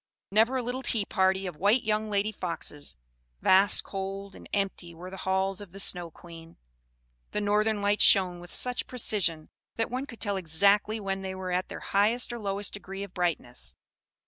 Never a little tea party of white young lady foxes; vast, cold, and empty were the halls of the Snow Queen. The northern lights shone with such precision that one could tell exactly when they were at their highest or lowest degree of brightness.